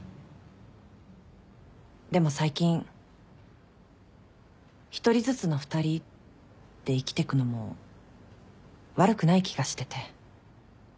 でも最近「１人ずつの２人」で生きてくのも悪くない気がしてて。